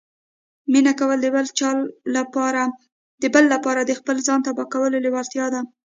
مینه کول د بل لپاره د خپل ځان تباه کولو لیوالتیا ده